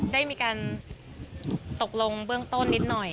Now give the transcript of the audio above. ได้มีการตกลงเบื้องต้นนิดหน่อย